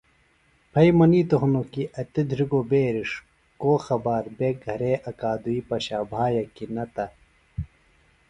پھئیۡ منِیتوۡ ہنوۡ کیۡ ایتیۡ دھرِگوۡ بیرِݜ کو خبار بےۡ گھرے اکادُئی پشائیۡ بھایہ کیۡ نہ تہ